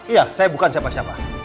iya saya bukan siapa siapa